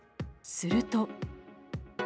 すると。